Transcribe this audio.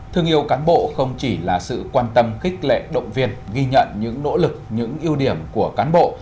thương yêu cán bộ không chỉ là sự quan tâm khích lệ động viên ghi nhận những nỗ lực những ưu điểm của cán bộ